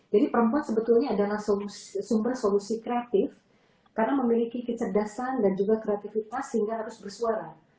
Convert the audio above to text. jadi perempuan sebetulnya adalah sumber solusi kreatif karena memiliki kecerdasan dan juga kreatifitas sehingga harus bersuara